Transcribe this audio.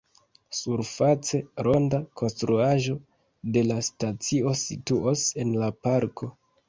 Surface, ronda konstruaĵo de la stacio situos en la parko.